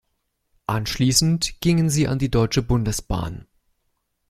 Anschließend gingen sie an die Deutsche Bundesbahn.